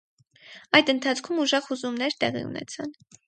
Այդ ընթացքում ուժեղ հուզումներ տեղի ունեցան։